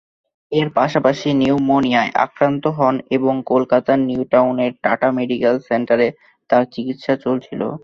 এর পাশাপাশি নিউমোনিয়ায় আক্রান্ত হন এবং কলকাতার নিউ টাউনের টাটা মেডিকেল সেন্টারে তাঁর চিকিৎসা চলছিল।